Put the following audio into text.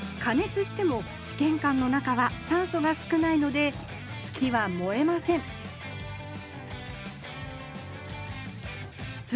つしてもしけんかんの中は酸素が少ないので木は燃えませんす